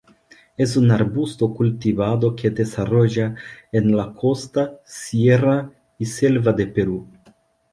Es un arbusto cultivado que desarrolla en la costa, sierra y selva de Perú.